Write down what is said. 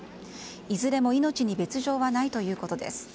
いずれも命に別条はないということです。